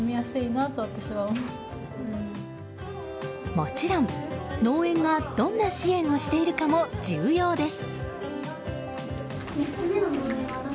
もちろん、農園がどんな支援をしているかも重要です。